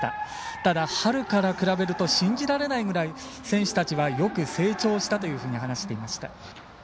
ただ、春から比べると信じられないぐらい選手たちはよく成長したと話していました。